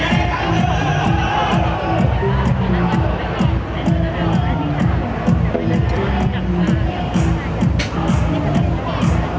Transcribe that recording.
ว้าวว้าวว้าวว้าว